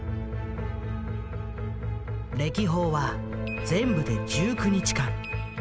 歴訪は全部で１９日間。